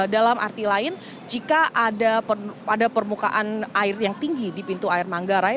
dalam arti lain jika ada permukaan air yang tinggi di pintu air manggarai